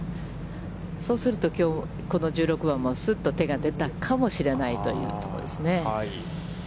そうすれば、きょう、この１６番も、すっと手が出たかもしれないというところですね。